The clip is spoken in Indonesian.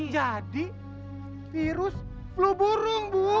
jadi virus peluru burung bu